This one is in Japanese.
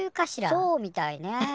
そうみたいね。